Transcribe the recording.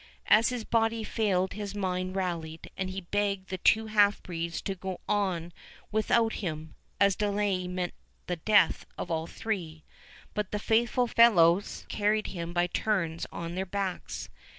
As his body failed his mind rallied, and he begged the two half breeds to go on without him, as delay meant the death of all three; but the faithful fellows carried him by turns on their backs.